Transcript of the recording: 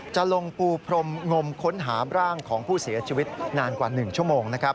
จะลงปูพรมงมค้นหาร่างของผู้เสียชีวิตนานกว่า๑ชั่วโมงนะครับ